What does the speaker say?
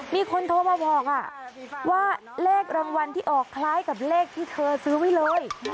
มีคนโทรมาบอกว่าเลขรางวัลที่ออกคล้ายกับเลขที่เธอซื้อไว้เลย